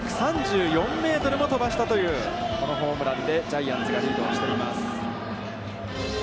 １３４メートルも飛ばしたというこのホームランでジャイアンツがリードをしています。